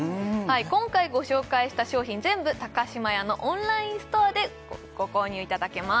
今回ご紹介した商品全部島屋のオンラインストアでご購入いただけます